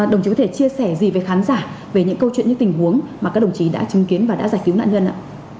đồng chí có thể chia sẻ gì với khán giả về những câu chuyện những tình huống mà các đồng chí đã chứng kiến và đã giải cứu nạn nhân ạ